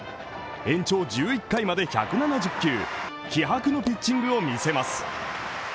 延長１１回まで１７０球、気迫のピッチングを見せます。